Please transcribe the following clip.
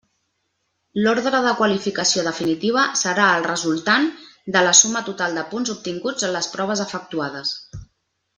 L'ordre de qualificació definitiva serà el resultant de la suma total de punts obtinguts en les proves efectuades.